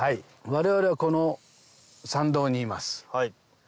我々はこの参道にいます。